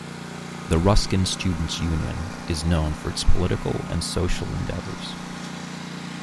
The Ruskin Students Union is known for its political and social endeavours.